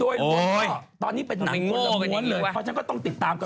โอ้ยน้ำโก้กันยังไงวะ